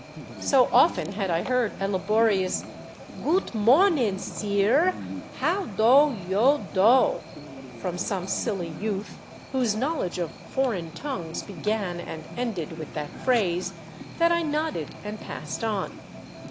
So often had I heard a laborious " Goot mawnin, seer, how do yo do ?" from some silly youth whose knowledge of foreign tongues began and ended with that phrase, that I nodded and passed on.